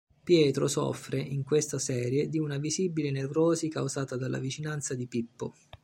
Pietro soffre, in questa serie, di una visibile nevrosi causata dalla vicinanza di Pippo.